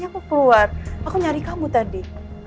aku keluar aku nyari kamu tadi